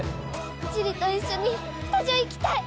樹里と一緒に二女行きたい！